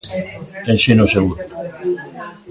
Ensino seguro.